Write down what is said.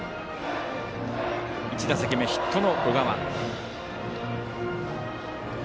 １打席目、ヒットの小川。